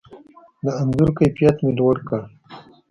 د انځور کیفیت مې لوړ کړ.